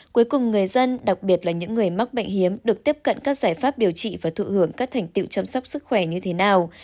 cuối cùng người dân đặc biệt là những người mắc bệnh hiếm được tiếp cận các giải pháp điều trị và thụ hưởng các thành tựu chăm sóc sức khỏe như thế nào